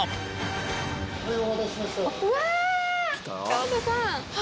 川田さん。